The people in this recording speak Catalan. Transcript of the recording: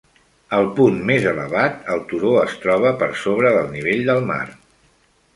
Al punt més elevat, el turó es troba per sobre del nivell del mar.